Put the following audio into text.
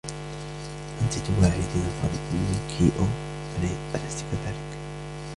أنت تواعدين طالبًا من كيئو ، ألست كذلك ؟